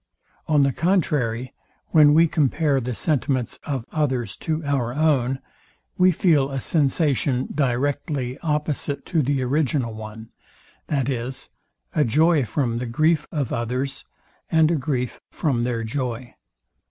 On the contrary, when we compare the sentiments of others to our own, we feel a sensation directly opposite to the original one, viz. a joy from the grief of others, and a grief from their joy.